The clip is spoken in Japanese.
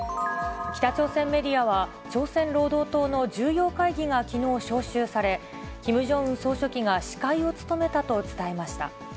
北朝鮮メディアは、朝鮮労働党の重要会議がきのう、招集され、キム・ジョンウン総書記が司会を務めたと伝えました。